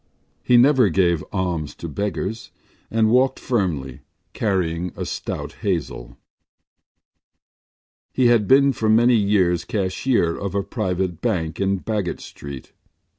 He never gave alms to beggars and walked firmly, carrying a stout hazel. He had been for many years cashier of a private bank in Baggot Street.